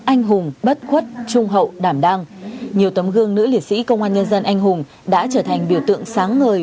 anh hùng bất khuất trung hậu đảm đang nhiều tấm gương nữ liệt sĩ công an nhân dân anh hùng đã trở thành biểu tượng sáng ngời